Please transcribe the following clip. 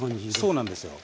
そうなんですよ。